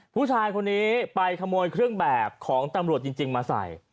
ผู้ชายคนนี้ไปขโมยเครื่องแบบของตำรวจจริงมาใส่